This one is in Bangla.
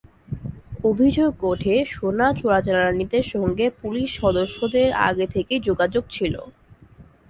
অভিযোগ ওঠে, সোনা চোরাচালানিদের সঙ্গে পুলিশ সদস্যদের আগে থেকেই যোগাযোগ ছিল।